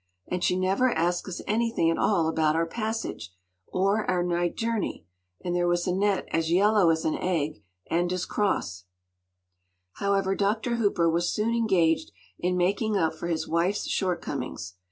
And she never asked us anything at all about our passage, or our night journey! And there was Annette—as yellow as an egg—and as _cross_—” However Dr. Hooper was soon engaged in making up for his wife’s shortcomings.